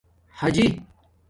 حجِی